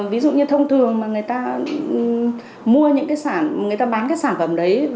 ví dụ như thông thường mà người ta mua những cái sản người ta bán cái sản phẩm đấy